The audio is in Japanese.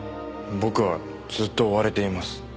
僕はずっと追われています。